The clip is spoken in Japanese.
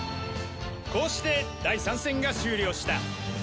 こうして第三戦が終了した。